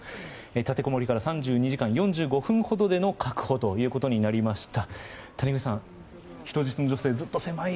立てこもりから３２時間４５分ほどでの確保ということになりました。